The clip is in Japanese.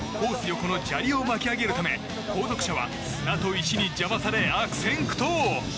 横の砂利を巻き上げるため後続車は砂と石に邪魔され悪戦苦闘。